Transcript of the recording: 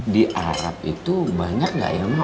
di arab itu banyak nggak ya ma